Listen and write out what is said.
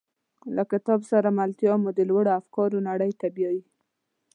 له کتاب سره ملتیا مو د لوړو افکارو نړۍ ته بیایي.